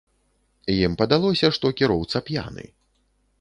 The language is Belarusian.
Ім падалося, што кіроўца п'яны.